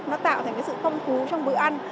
nó tạo thành sự phong phú trong bữa ăn